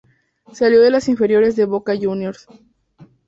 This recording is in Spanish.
Salió de las inferiores de Boca Juniors.